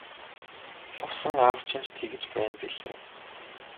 Лувсан аав чинь ч тэгж байна билээ.